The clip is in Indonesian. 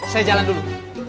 saya jalan dulu